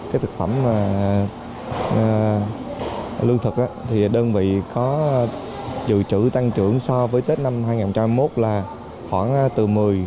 cái thực phẩm lương thực thì đơn vị có dự trữ tăng trưởng so với tết năm hai nghìn hai mươi một là khoảng từ một mươi